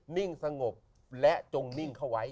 นิ่งสงบและจงนิ่งเข้าไว้